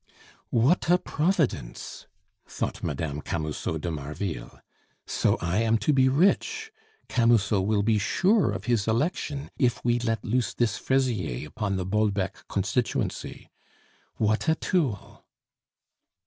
"What a providence!" thought Mme. Camusot de Marville. "So I am to be rich! Camusot will be sure of his election if we let loose this Fraisier upon the Bolbec constituency. What a tool!"